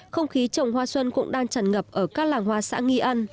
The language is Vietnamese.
không khí trồng hoa xuân cũng đang tràn ngập ở các làng hoa xã nghi ân